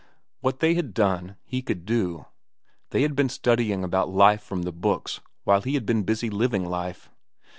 What they had done, he could do. They had been studying about life from the books while he had been busy living life.